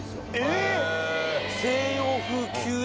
えっ！